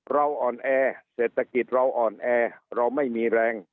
เราอ่อนแอเศรษฐกิจเราอ่อนแอเราไม่มีแรง